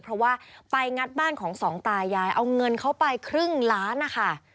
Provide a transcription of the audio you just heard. เพราะว่าไปงัดบ้านของสองตายายเอาเงินเขาไปครึ่งล้านนะคะ